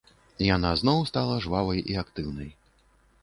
Яна зноў стала жвавай і актыўнай.